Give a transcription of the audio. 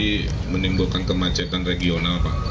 potensi menimbulkan kemacetan regional